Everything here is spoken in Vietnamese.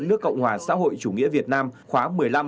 nước cộng hòa xã hội chủ nghĩa việt nam khóa một mươi năm